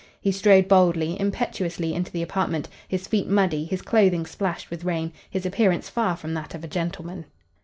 He strode boldly, impetuously into the apartment, his feet muddy, his clothing splashed with rain, his appearance far from that of a gentleman.